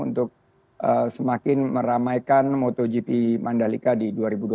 untuk semakin meramaikan motogp mandalika di dua ribu dua puluh tiga